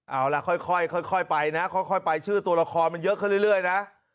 เอาล่ะค่อยไปนะค่อยไปชื่อตัวละครมันเยอะขึ้นเรื่อยนะ